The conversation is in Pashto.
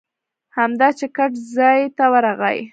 همدا چې ګټ ځای ته ورغی.